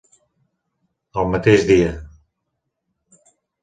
El mateix dia.